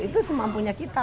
itu semampunya kita